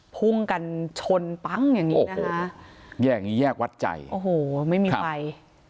พุ่งกันชนปั๊งอย่างงี้นะคะแยกนี้แยกวัดใจโอ้โหไม่มีไฟ